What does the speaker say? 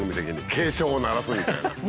警鐘を鳴らすみたいな。